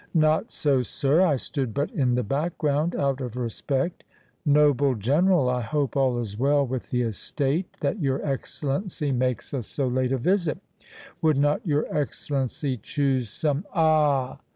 "Not so, sir; I stood but in the background out of respect. Noble General, I hope all is well with the Estate, that your Excellency makes us so late a visit? Would not your Excellency choose some"— "Ah!"